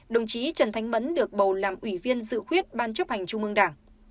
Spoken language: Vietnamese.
đồng chí trần thanh mẫn được bầu làm ủy viên dự quyết ban chấp hành trung mương đảng